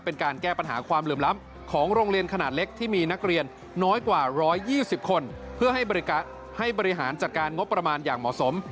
เป็นการแก้ปัญหาความเหลื่อมล้ำของโรงเรียนขนาดเล็กที่มีนักเรียนน้อยกว่า๑๒๐คนเพื่อให้บริหารจัดการงบประมาณอย่างเหมาะสม